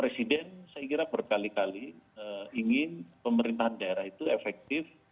presiden saya kira berkali kali ingin pemerintahan daerah itu efektif